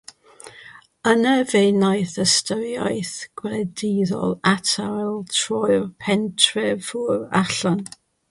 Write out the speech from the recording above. Yna fe wnaeth ystyriaethau gwleidyddol atal troi'r pentrefwyr allan.